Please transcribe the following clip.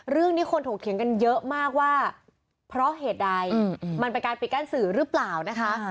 เรื่องนี้คนถกเถียงกันเยอะมากว่าเพราะเหตุใดมันเป็นการปิดกั้นสื่อหรือเปล่านะคะ